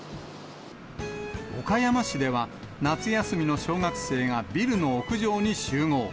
岡山市では、夏休みの小学生がビルの屋上に集合。